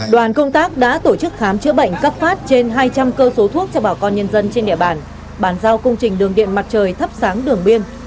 đoàn công tác đã tổ chức khám chữa bệnh cấp phát trên hai trăm linh cơ số thuốc cho bà con nhân dân trên địa bàn bàn giao công trình đường điện mặt trời thắp sáng đường biên